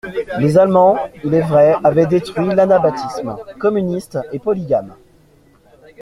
Les Allemands, il est vrai, avaient détruit l'anabaptisme (communiste et polygame).